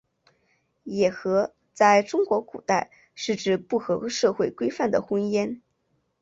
野合在中国古代是指不合社会规范的婚姻。